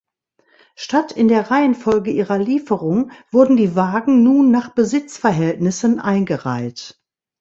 Statt in der Reihenfolge ihrer Lieferung wurden die Wagen nun nach Besitzverhältnissen eingereiht.